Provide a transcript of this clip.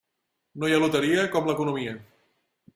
No hi ha loteria com l'economia.